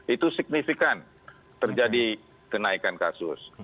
itu signifikan terjadi kenaikan kasus